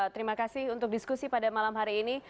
terima kasih untuk diskusi pada malam hari ini